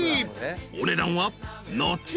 ［お値段は後ほど］